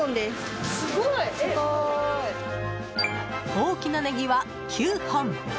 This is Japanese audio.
大きなネギは９本。